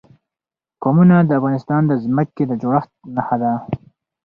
قومونه د افغانستان د ځمکې د جوړښت نښه ده.